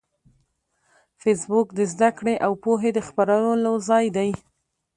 فېسبوک د زده کړې او پوهې د خپرولو ځای دی